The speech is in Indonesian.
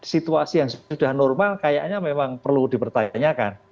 situasi yang sudah normal kayaknya memang perlu dipertanyakan